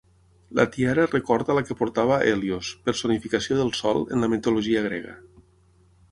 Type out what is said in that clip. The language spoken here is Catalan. La tiara recorda la que portava Hèlios, personificació del Sol en la mitologia grega.